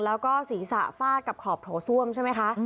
แล้วก็ศีรษะฟาดกับขอบโถส้วมใช่ไหมคะ